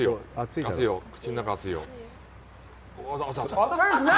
熱いですね！